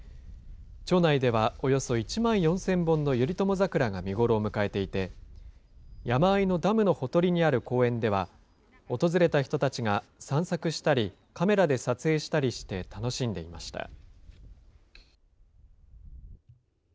町内ではおよそ１万４０００本の頼朝桜が見頃を迎えていて、山あいのダムのほとりにある公園では、訪れた人たちが散策したり、カメラで撮影したりして楽しんでいました。